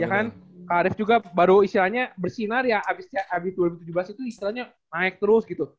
ya kan kak arief juga baru istilahnya bersinar ya abis dua ribu tujuh belas itu istilahnya naik terus gitu